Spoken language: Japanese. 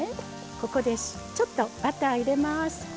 ここでちょっとバター入れます。